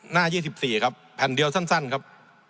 ๒๔ครับแผ่นเดียวสั้นครับ